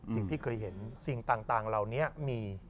สิ่งที่เคยเห็นสิ่งต่างเหล่านี้มี